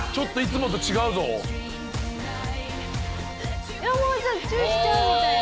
もうチューしちゃうみたいな。